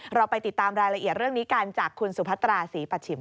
เราไปติดตามรายละเอียดเรื่องนี้กันจากคุณสุพัตราศรีปัชชิม